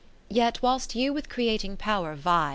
VI Yet whilst you with creating power vie.